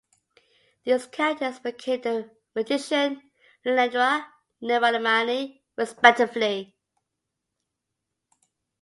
These characters became the Magician and Lilandra Neramani, respectively.